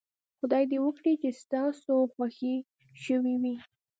خدای دې وکړي چې ستاسو خوښې شوې وي.